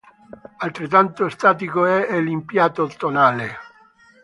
Altrettanto statico è l'impianto tonale.